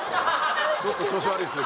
ちょっと調子悪いですね。